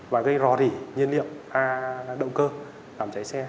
và gây rò rỉ nhiên liệu a động cơ làm cháy xe